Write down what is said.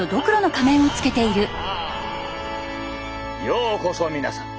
ようこそ皆さん。